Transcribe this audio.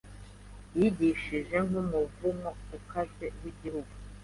yigishije nkumuvumo ukaze wigihugu